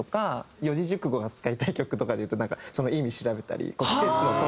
四字熟語を使いたい曲とかでいうとなんかその意味調べたり季節の鳥とか。